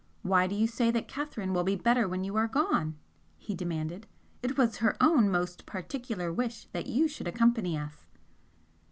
"Why do you say that Catherine will be better when you are gone?" he demanded "It was her own most particular wish that you should accompany us."